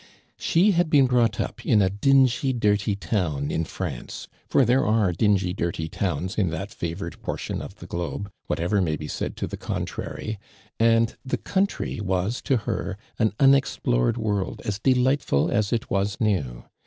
iShe had been brought up in a dingy, dirty town in I'mnce, for there are dingy, dirty towns in that favored portion of the globe, whatever may be said to the con trary, and the country was to her an unex plored world as delightful as it was new.